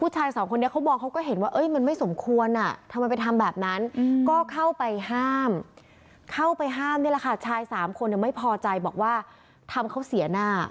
ตอนนี้ล่ะค่ะชายสามคนยังไม่พอใจบอกว่าทำเขาเสียหน้า